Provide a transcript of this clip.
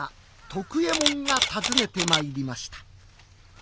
徳右衛門が訪ねてまいりました。